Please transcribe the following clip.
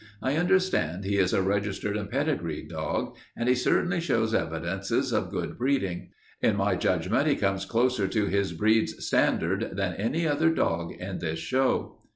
I understand he is a registered and pedigreed dog, and he certainly shows evidences of good breeding. In my judgment he comes closer to his breed's standard than any other dog in this show.